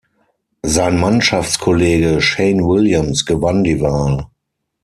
Sein Mannschaftskollege Shane Williams gewann die Wahl.